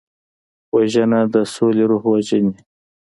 وژنه د سولې روح وژني